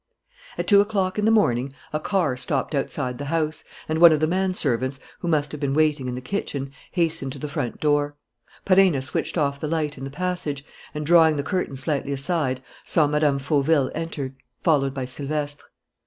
At two o'clock in the morning a car stopped outside the house, and one of the manservants, who must have been waiting in the kitchen, hastened to the front door. Perenna switched off the light in the passage, and, drawing the curtain slightly aside, saw Mme. Fauville enter, followed by Silvestre.